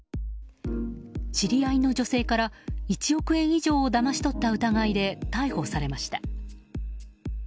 知り合いの女性から１億円以上をだまし取った疑いで逮捕されました。